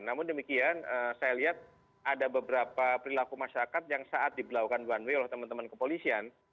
namun demikian saya lihat ada beberapa perilaku masyarakat yang saat diberlakukan one way oleh teman teman kepolisian